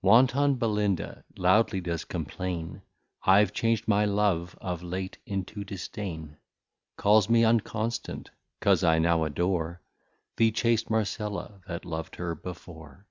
Wanton Billinda loudly does complain, I've chang'd my Love of late into disdain: Calls me unconstant, cause I now adore The chast Marcella, that lov'd her before.